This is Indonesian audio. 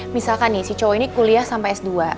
misalkan nih si cowok ini kuliah sampai s dua